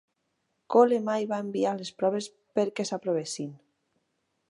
Cole mai va enviar les proves per què s'aprovessin.